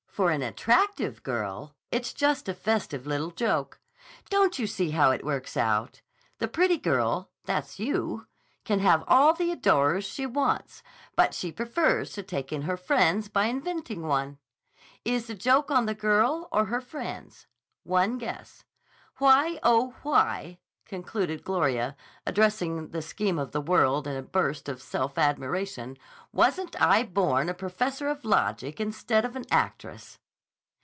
For an attractive girl, it's just a festive little joke. Don't you see how it works out? The pretty girl (that's you) can have all the adorers she wants, but she prefers to take in her friends by inventing one. Is the joke on the girl or her friends? One guess. Why, oh, why," concluded Gloria addressing the Scheme of the World in a burst of self admiration, "wasn't I born a professor of logic instead of an actress?"